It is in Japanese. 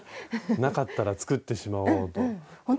なかったら作ってしまおうと。